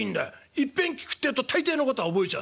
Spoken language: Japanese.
いっぺん聞くってえと大抵のことは覚えちゃうんだよ。